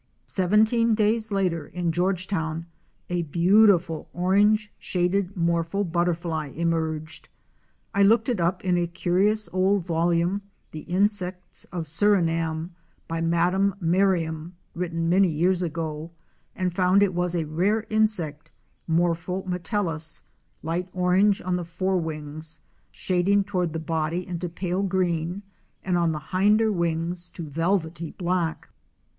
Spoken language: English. Seventeen days later in Georgetown, a beautiful orange shaded Morpho butterfly emerged. I looked it up in a curious old volume, '' The Insects of Suriname" by Madame Merriam, written many years ago, and found it was a rare insect, Mor pho metellus, light orange on the fore wings, shading toward the body into pale green and on the hinder wings to velvety black.